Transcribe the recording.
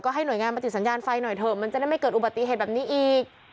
ให้หน่วยงานมาติดสัญญาณไฟหน่อยเถอะมันจะได้ไม่เกิดอุบัติเหตุแบบนี้อีก